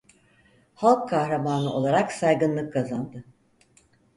Halk kahramanı olarak saygınlık kazandı.